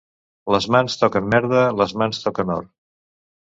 Les mans toquen merda, les mans toquen or.